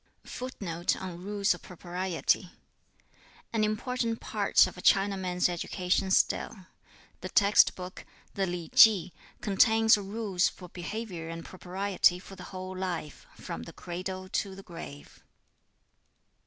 [Footnote 1: An important part of a Chinaman's education still. The text book, "The Li Ki," contains rules for behavior and propriety for the whole life, from the cradle to the grave.